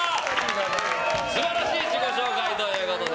素晴らしい自己紹介ということで。